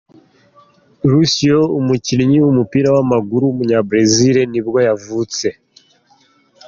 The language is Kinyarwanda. Lúcio, umukinnyi w’umupira w’amaguru w’umunyabrazil nibwoyavutse.